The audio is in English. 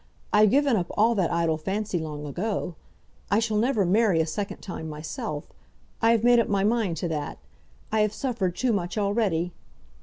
I've given up all that idle fancy long ago. I shall never marry a second time myself. I have made up my mind to that. I have suffered too much already."